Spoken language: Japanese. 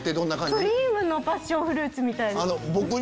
クリームのパッションフルーツみたいです。